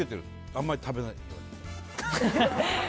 あんまり食べないように。